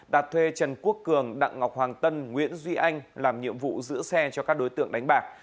đạt thuê trần quốc cường đặng ngọc hoàng tân nguyễn duy anh làm nhiệm vụ giữ xe cho các đối tượng đánh bạc